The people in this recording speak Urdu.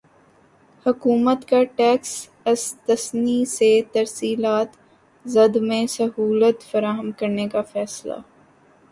حکومت کا ٹیکس استثنی سے ترسیلات زر میں سہولت فراہم کرنے کا فیصلہ